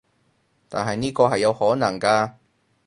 但係呢個係有可能㗎